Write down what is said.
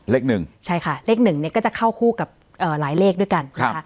เลขหนึ่งใช่ค่ะเลขหนึ่งเนี่ยก็จะเข้าคู่กับหลายเลขด้วยกันนะคะ